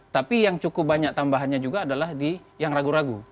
tapi yang cukup banyak tambahannya juga adalah di yang ragu ragu